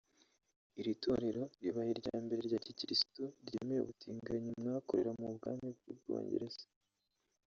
Iri torero ribaye irya mbere rya gikirisitu ryemeye ubutinganyi mu akorera mu Bwami bw’U Bwongereza